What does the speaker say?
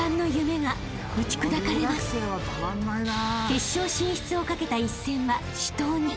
［決勝進出を懸けた一戦は死闘に］